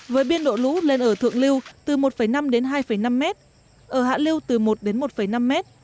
với biên độ lũ lên ở thượng lưu từ một năm đến hai năm m ở hạ liêu từ một đến một năm mét